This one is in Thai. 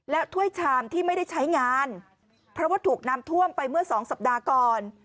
ถ้วยชามที่ไม่ได้ใช้งานเพราะว่าถูกน้ำท่วมไปเมื่อสองสัปดาห์ก่อน